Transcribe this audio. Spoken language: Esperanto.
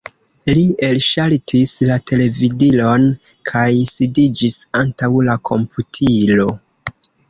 Li elŝaltis la televidilon kaj sidiĝis antaŭ la komputilo.